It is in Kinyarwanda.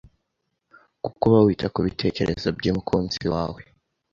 kuko uba wita ku bitekerezo by’umukunzi wawe